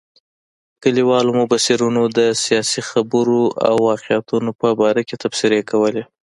کلیوالو مبصرینو د سیاسي خبرو او واقعاتو په باره کې تبصرې کولې.